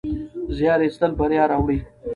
زیار ایستل بریا راوړي.